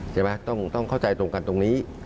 ใช่ไหมต้องเข้าใจตรงกันตรงนี้